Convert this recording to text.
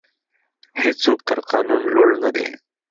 هیڅوک تر قانون لوړ نه دی.